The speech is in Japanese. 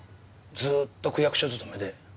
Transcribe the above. ずーっと区役所勤めで。